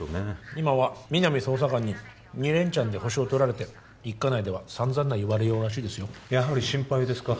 今は皆実捜査官に２連チャンでホシをとられて一課内ではさんざんな言われようらしいですよやはり心配ですか？